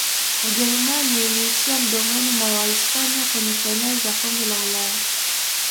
ujerumani iliishia mdomoni mwa wahispania kwenye fainali za kombe la ulaya